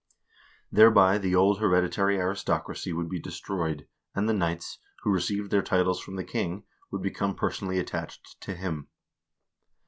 Thereby the old hereditary aristocracy would be destroyed, and the knights, who received their titles from the king, would become personally attached to him.